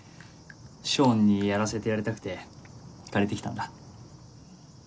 ショーンにやらせてやりたくて借りてきたんだ。